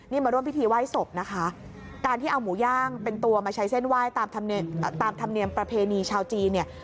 นี่มาร่วมพิธีไหว้ศพนะคะการที่เอาหมูย่างเป็นตัวมาใช้เส้นไหว้ตามธรรมเนียมประเพณีชาวจีนเนี่ย